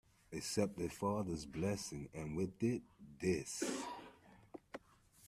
Accept a father's blessing, and with it, this.